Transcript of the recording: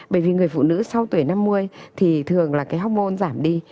bởi vì người phụ nữ sau tuổi năm mươi thì thường là cái hormôn giảm đi